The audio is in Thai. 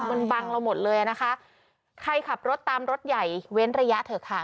มันบังเราหมดเลยอ่ะนะคะใครขับรถตามรถใหญ่เว้นระยะเถอะค่ะ